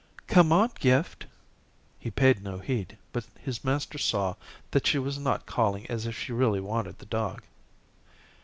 "Come on, Gift." He paid no heed, but his master saw that she was not calling as if she really wanted the dog.